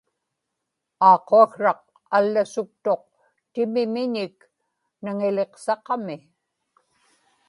aaquaksraq allasuktuq timimiñik naŋiliqsaqami